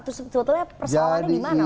terus sebetulnya persoalannya gimana pak